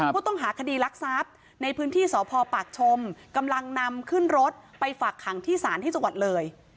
ผู้ต้องหาคดีรักทรัพย์ในพื้นที่สพปากชมกำลังนำขึ้นรถไปฝากขังที่ศาลที่จังหวัดเลย